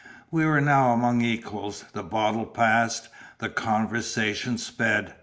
We were now among equals; the bottle passed, the conversation sped.